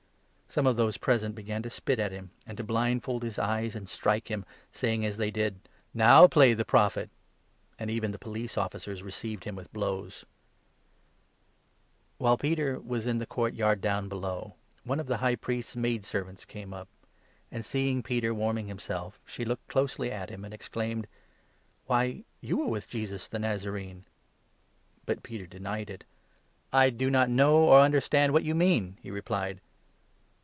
Some of those present began to spit at him, and to blindfold his eyes, and strike him, saying, as they did so, " Now play the Prophet !" and even the police officers received him with blows. Peter disowns While Peter was in the court yard down below, Jesus. one of the High Priest's maidservants came up ; and, seeing Peter warming himself, she looked closely at him, and exclaimed : "Why, you were with Jesus, the Nazarene !" But Peter denied it. " I do not know or understand what you mean," he replied.